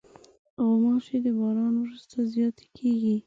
غوماشې د باران وروسته زیاتې کېږي.